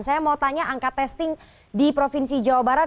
saya mau tanya angka testing di provinsi jawa barat